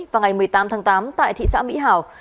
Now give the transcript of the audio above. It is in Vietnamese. vào ngày một mươi tám tháng tám tại thị xã mỹ hảo